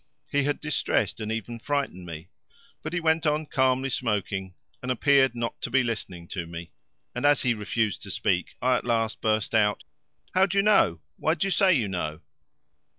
He had distressed and even frightened me, but he went on calmly smoking and appeared not to be listening to me, and as he refused to speak I at last burst out: "How do you know? Why do you say you know?"